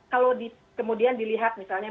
kalau kemudian dilihat misalnya